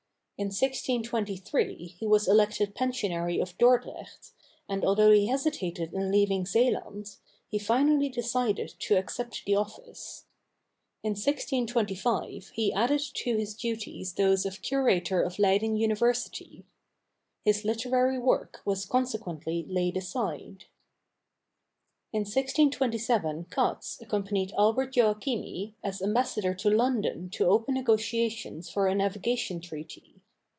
In 1623 he was elected pensionary of Dordrecht, and although he hesitated in leaving Zeeland, he finally decided to accept the office. In 1625 he added to his duties those of Curator of Leyden University. His literary work was consequently laid aside. In 1627 Cats accompanied Albert Joachimi as ambassador to London to open negotiations for a navigation treaty.